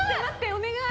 お願い！